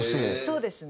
そうですね。